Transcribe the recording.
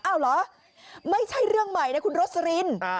เหรอไม่ใช่เรื่องใหม่นะคุณโรสลิน